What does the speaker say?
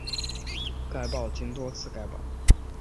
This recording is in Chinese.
该报经多次改版。